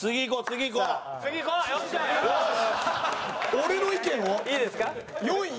俺の意見は？